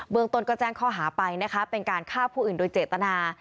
เบืองตนก็แจ้งคอหาไปเป็นการฆ่าผู้อื่นโดยเจตนา